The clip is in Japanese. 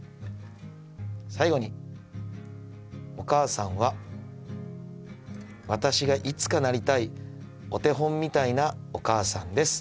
最後にお母さんは私がいつかなりたいお手本みたいなお母さんです！